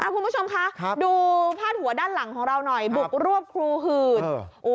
คุณผู้ชมคะดูพาดหัวด้านหลังของเราหน่อยบุกรวบครูหืด